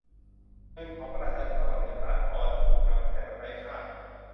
เงินของประชาชนมากกว่าหนื่นล้านปอนด์ถูกนำมาใช้แบบไร้ค่า